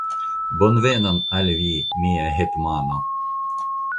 Bonvenon al vi, mia hetmano!